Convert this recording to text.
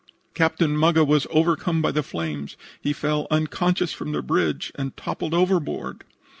Captain Muggah was overcome by the flames. He fell unconscious from the bridge and toppled overboard.